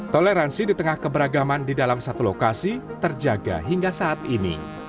toleransi di tengah keberagaman di dalam satu lokasi terjaga hingga saat ini